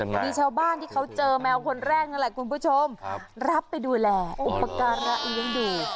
มีชาวบ้านที่เขาเจอแมวคนแรกนั่นแหละคุณผู้ชมรับไปดูแลอุปการะเลี้ยงดู